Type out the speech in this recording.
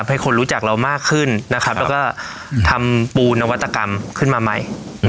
ให้คนรู้จักเรามากขึ้นแล้วก็ทำปูนวัตกรรมขึ้นมาใหม่